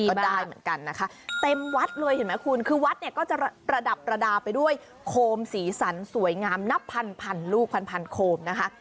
ก็ได้เหมือนกันนะคะเต็มวัดเลยเห็นไหมคุณคือวัดเนี่ยก็จะประดับประดาไปด้วยโคมสีสันสวยงามนับพันพันลูกพันโคมนะคะ